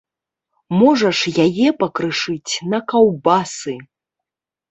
Можаш яе пакрышыць на каўбасы.